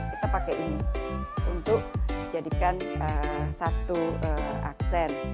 kita pakai ini untuk dijadikan satu aksen